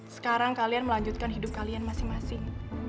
sekarang kalian melanjutkan hidup kalian masing masing